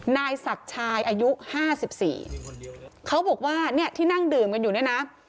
นายศักดิ์ชายอายุห้าสิบสี่เขาบอกว่าเนี่ยที่นั่งดื่มกันอยู่เนี่ยนะ